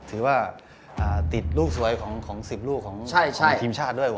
ถือว่าติดลูกสวยของ๑๐ลูกของทีมชาติด้วย